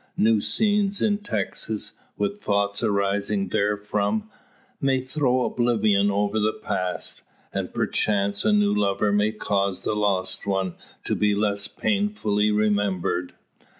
New scenes in Texas, with thoughts arising therefrom, may throw oblivion over the past. And perchance a new lover may cause the lost one to be less painfully remembered.